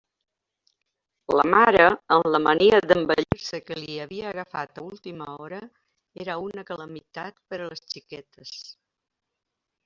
La mare, amb la mania d'embellir-se que li havia agafat a última hora, era una calamitat per a les xiquetes.